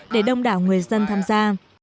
để đông đảo người dân tham gia